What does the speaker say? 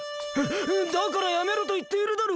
だからやめろといっているだろ！